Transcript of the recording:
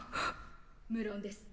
無論です。